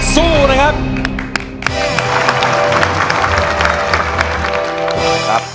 สู้นะครับ